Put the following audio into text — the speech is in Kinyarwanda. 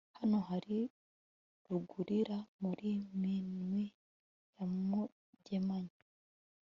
hano hari rugurira muri minwi ya mugemanyi